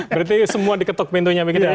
berarti semua diketuk pintunya begitu ya